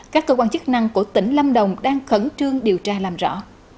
các cơ quan chức năng của tỉnh lâm đồng đang khẩn trương điều tra làm rõ